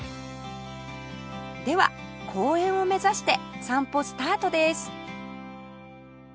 では公園を目指して散歩スタートです